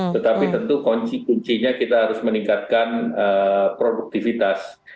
tetapi tentu kuncinya kita harus meningkatkan produktivitas